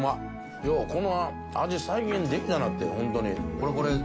ようこの味、再現できたなって、本当に。